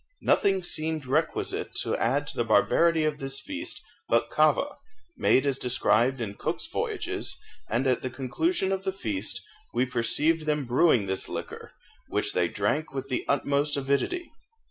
Nothing seemed requisite to add to the barbarity of this feast but kava, made as described in Cook's voyages, and at the conclusion of the feast we perceived them brewing this liquor, which they drank with the utmost avidity.